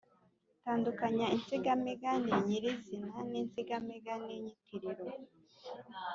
tandukanya insigamigani nyirizina n’insigamigani nyitiriro